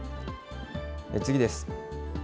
次です。